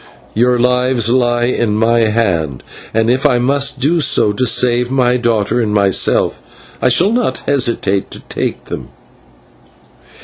Your lives lie in my hand, and if I must do so to save my daughter and myself, I shall not hesitate to take them."